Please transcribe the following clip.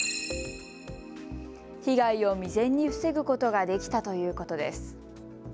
被害を未然に防ぐことができたということです。